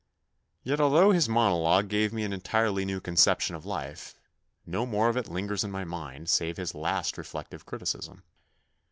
Yet although his monologue gave me an entirely new conception of life, no more of it lingers in my mind, save his last reflective criticism.